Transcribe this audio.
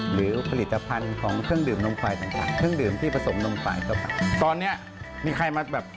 หรือผลิตภัณฑ์ของเครื่องดื่มนมควายต่าง